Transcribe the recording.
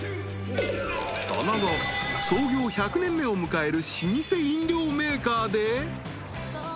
［その後創業１００年目を迎える老舗飲料メーカーで］